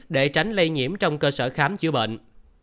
để tránh lây nhiễm trong cơ sở khám chữa bệnh